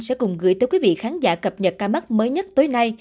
sẽ cùng gửi tới quý vị khán giả cập nhật ca mắc mới nhất tối nay